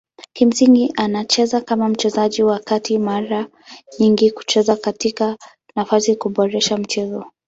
Kimsingi anacheza kama mchezaji wa kati mara nyingi kucheza katika nafasi kuboresha mchezo.